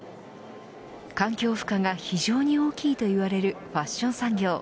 環境負荷が非常に大きいといわれるファッション産業。